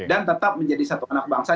dan tetap menjadi satu anak bangsa